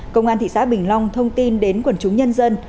công an thị xã bình long thông tin đến quần chúng nhân dân